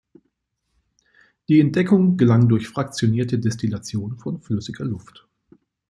Die Entdeckung gelang durch fraktionierte Destillation von flüssiger Luft.